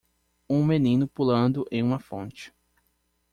Um menino pulando em uma fonte.